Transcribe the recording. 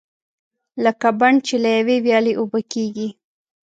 لکه بڼ چې له یوې ویالې اوبه کېږي.